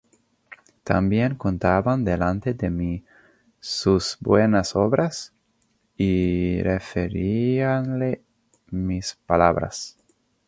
También contaban delante de mí sus buenas obras, y referíanle mis palabras.